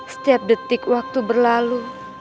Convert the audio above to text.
setiap detik waktu berlalu